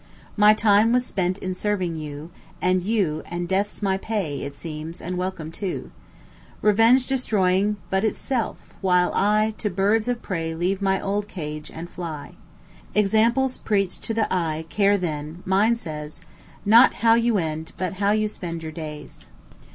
My time was spent in serving you, and you, And death's my pay, it seems, and welcome, too; Revenge destroying but itself, while I To birds of prey leave my old cage, and fly; Examples preach t' the eye; care then, (mine says,) Not how you end, but how you spend your days.